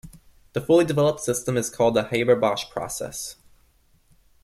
The fully developed system is called the Haber-Bosch process.